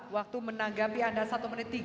waktu menanggapi ada satu menit tiga puluh detik